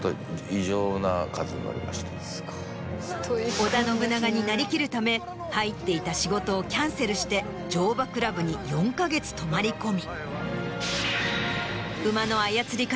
織田信長になりきるため入っていた仕事をキャンセルして乗馬クラブに４か月泊まり込み。